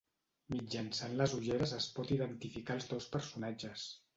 Mitjançant les ulleres es pot identificar als dos personatges.